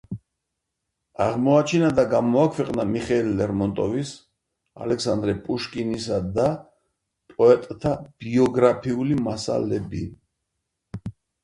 აღმოაჩინა და გამოაქვეყნა მიხეილ ლერმონტოვის, ალექსანდრე პუშკინისა და პოეტთა ბიოგრაფიული მასალები.